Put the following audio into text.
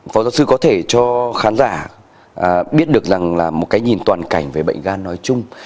phó giáo sư có thể cho khán giả biết được rằng là một cái nhìn toàn cảnh về bệnh gan nói chung